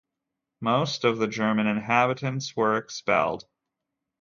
Most of the German inhabitants were expelled.